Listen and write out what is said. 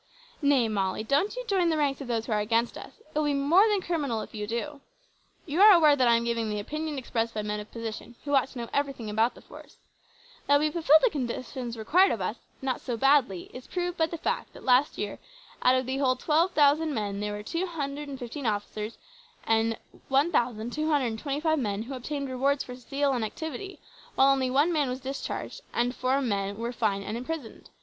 "Nay, Molly, don't you join the ranks of those who are against us. It will be more than criminal if you do. You are aware that I am giving the opinion expressed by men of position who ought to know everything about the force. That we fulfil the conditions required of us not so badly is proved by the fact that last year, out of the whole 12,000 there were 215 officers and 1225 men who obtained rewards for zeal and activity, while only one man was discharged, and four men were fined or imprisoned.